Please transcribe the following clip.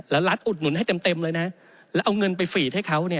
แล้วรัฐอุดหนุนให้เต็มเลยนะแล้วเอาเงินไปฟีดให้เขาเนี่ย